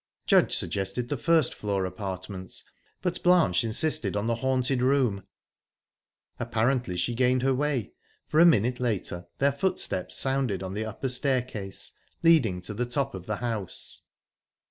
Judge suggested the first floor apartments, but Blanche insisted on the haunted room. Apparently she gained her way, for a minute later their footsteps sounded on the upper staircase, leading to the top of the house.